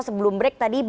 sebelum break tadi